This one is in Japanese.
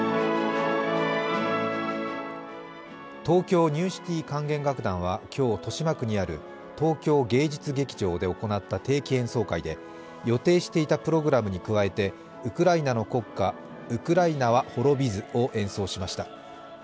東京ニューシティ管弦楽団は今日、豊島区にある東京芸術劇場で行った定期演奏会で予定していたプログラムに加えてウクライナの国歌、「ウクライナは滅びず」を演奏しました。